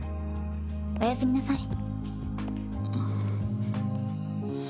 おやすみなさい。